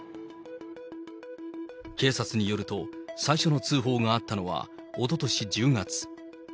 警察によると、最初の通報があったのは、おととし１０月。